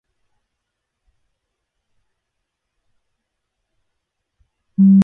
Club de la primera del Ecuador.